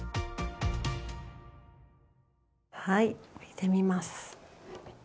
はい置いてみます。